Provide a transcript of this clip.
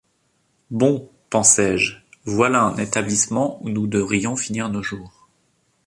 Bon, pensai-je, voilà un établissement où nous devrions finir nos jours !